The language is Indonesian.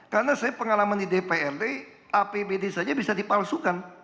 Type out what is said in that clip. karena saya pengalaman di dprd apbd saja bisa dipalsukan